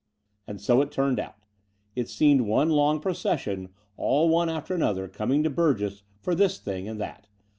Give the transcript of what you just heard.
And so it turned out. It seemed one long pro cession, all one after another, coming to Burgess for this thing and that.